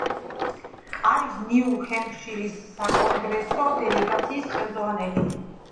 არის ნიუ ჰემფშირის საკონგრესო დელეგაციის ხელმძღვანელი.